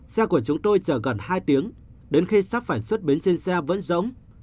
xe của chúng tôi chờ gần hai tiếng đến khi sắp phải xuất bến trên xe vẫn rỗng